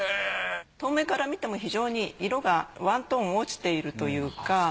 遠目から見ても非常に色がワントーン落ちているというか。